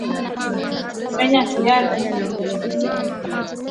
Menya viazi na kukata kwa kila